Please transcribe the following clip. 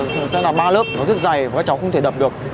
sườn xe là ba lớp nó rất dày và các cháu không thể đập được